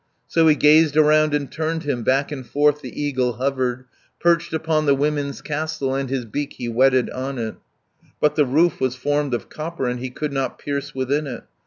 370 "So he gazed around and turned him, Back and forth the eagle hovered, Perched upon the women's castle, And his beak he whetted on it, But the roof was formed of copper, And he could not pierce within it.